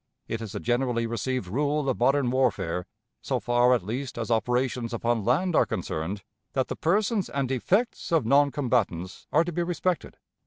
... It is a generally received rule of modern warfare, so far at least as operations upon land are concerned, that the persons and effects of non combatants are to be respected.